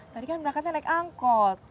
tadi kan berangkatnya naik angkot